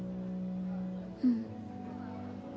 うん。